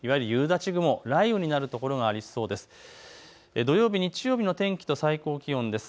いわゆる夕立雲、雷雨になる所がありそうです。